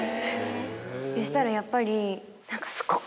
そしたらやっぱり何か。